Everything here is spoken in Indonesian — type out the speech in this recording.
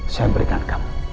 saya berikan kamu